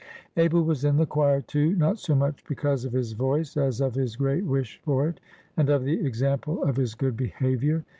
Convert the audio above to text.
Abel was in the choir too, not so much because of his voice as of his great wish for it, and of the example of his good behavior.